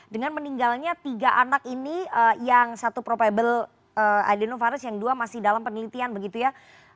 dengan meninggalnya tiga anak ini yang satu probable adenovirus yang dua masih dalam penelitian begitu ya